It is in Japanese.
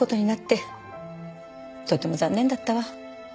とても残念だったわ。